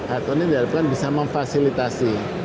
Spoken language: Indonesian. atau ini diharapkan bisa memfasilitasi